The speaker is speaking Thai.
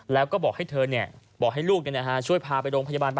แล้วก็บอกให้ทุยเนี่ยบอกให้ลูกเนี่ยช่วยพาไปโรงพยาบาล